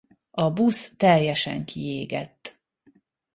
A busz teljesen kiégett.